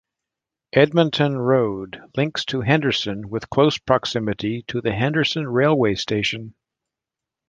Edmonton Road: links to Henderson with close proximity to the Henderson Railway Station.